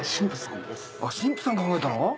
あっ神父さんが考えたの？